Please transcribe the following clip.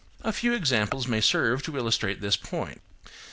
A few examples may serve to illustrate this point.